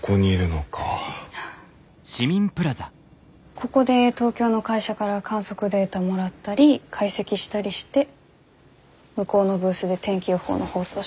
ここで東京の会社から観測データもらったり解析したりして向こうのブースで天気予報の放送してます。